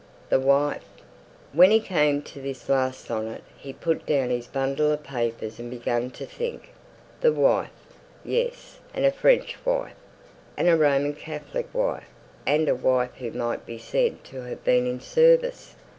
"The Wife." When he came to this last sonnet he put down his bundle of papers and began to think. "The wife." Yes, and a French wife; and a Roman Catholic wife and a wife who might be said to have been in service!